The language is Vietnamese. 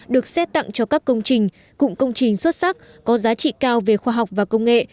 được xét tặng cho các công trình cụm công trình xuất sắc có giá trị cao về khoa học và công nghệ